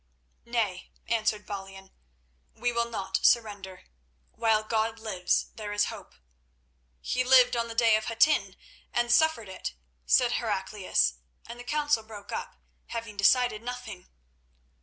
"Nay," answered Balian, "we will not surrender. While God lives, there is hope." "He lived on the day of Hattin, and suffered it," said Heraclius; and the council broke up, having decided nothing.